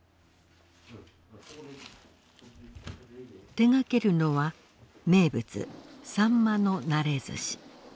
手がけるのは名物さんまのなれ寿司。